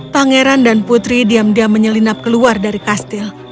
pangeran dan putri diam diam menyelinap keluar dari kastil